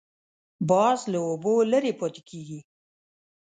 باز له اوبو لرې پاتې کېږي